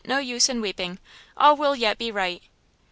no use in weeping! all will yet be right."